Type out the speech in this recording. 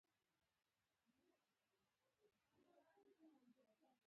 په کور کې یې میرمن په چیغو او فریاد وه.